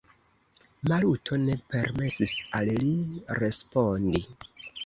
Maluto ne permesis al li respondi.